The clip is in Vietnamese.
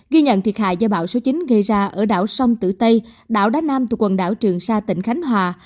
ghi nhận thiệt hại do bão số chín gây ra ở đảo sông tử tây đảo đá nam thuộc quần đảo trường sa tỉnh khánh hòa